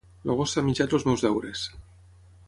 El gos s'ha menjat els meus deures.